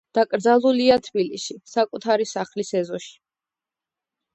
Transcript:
დაკრძალულია თბილისში, საკუთარი სახლის ეზოში.